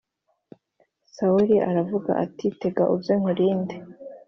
Sawuli aravuga ati tega uze nkurinde